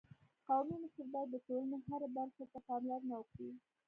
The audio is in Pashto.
قومي مشر باید د ټولني هري برخي ته پاملرنه وکړي.